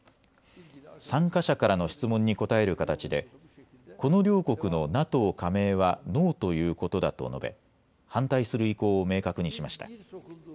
参加者からの質問に答える形でこの両国のＮＡＴＯ加盟はノーということだと述べ反対する意向を明確にしました。